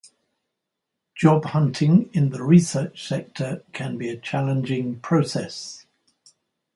Job hunting in the research sector can be a challenging process.